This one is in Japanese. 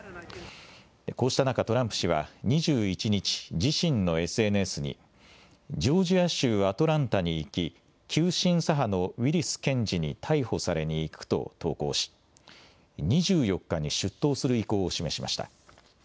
こうした中、トランプ氏は２１日、自身のＳＮＳに、ジョージア州アトランタに行き、急進左派のウィリス検事に逮捕されに行くと投稿し、２４日に出頭する意向を示しました。